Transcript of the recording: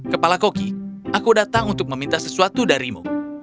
kepala koki aku datang untuk meminta sesuatu darimu